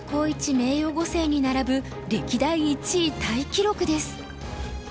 名誉碁聖に並ぶ歴代１位タイ記録です。